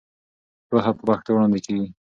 پوهه په پښتو وړاندې کېږي.